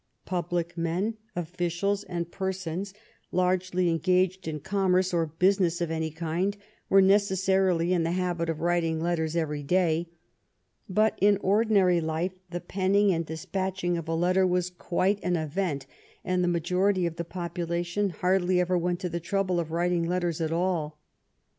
Public men, officials, and persons largely engaged in commerce or business of any kind were necessarily in the habit of writing letters every day ; but in ordinary life the penning and despatching of a letter was quite an event, and the majority of the population hardly ever went to the trouble of writing letters at all.